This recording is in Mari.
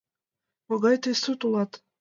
— Могай тый сут улат!